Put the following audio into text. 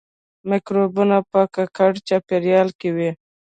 مکروبونه په ککړ چاپیریال کې وي